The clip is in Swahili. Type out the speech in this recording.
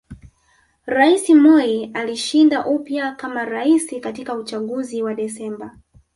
Rais Moi alishinda upya kama Rais katika uchaguzi wa Desemba